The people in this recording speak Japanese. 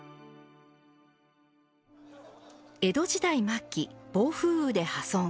江戸時代末期、暴風雨で破損。